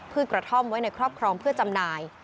กระท่อมไว้ในครอบครองเพื่อจำหน่าย